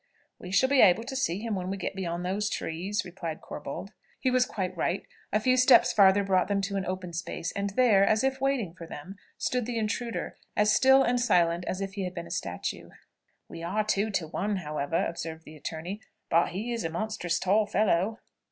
"We shall be able to see him when we get beyond these trees," replied Corbold. He was quite right: a few steps farther brought them to an open space, and there, as if waiting for them, stood the intruder, as still and silent as if he had been a statue. "We are two to one, however," observed the attorney, "but he is a monstrous tall fellow."